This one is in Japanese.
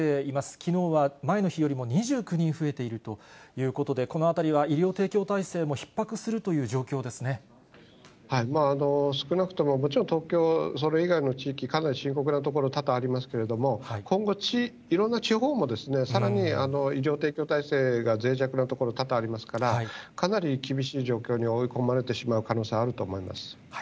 きのうは前の日よりも２９人増えているということで、このあたりは、医療提供体制もひっ迫すると少なくとも、もちろん東京、それ以外の地域、かなり深刻な所、多々ありますけれども、今後、いろんな地方もさらに医療提供体制がぜい弱な所、多々ありますから、かなり厳しい状況に追い込まれてしまう可能性があると思います。